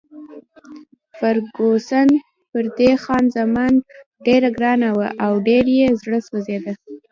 فرګوسن پر دې خان زمان ډېره ګرانه وه او ډېر یې زړه سوځېده.